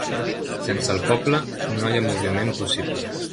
Sense el poble no hi ha moviment possible.